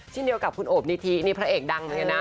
เช่นเดียวกับคุณโอบนิธินี่พระเอกดังเลยนะ